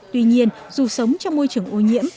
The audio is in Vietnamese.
tuy nhiên dù sống trong môi trường ô nhiễm